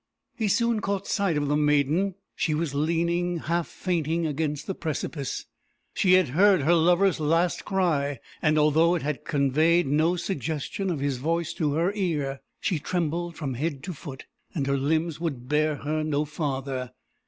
"He soon caught sight of the maiden. She was leaning, half fainting, against the precipice. She had heard her lover's last cry, and although it had conveyed no suggestion of his voice to her ear, she trembled from head to foot, and her limbs would bear her no farther.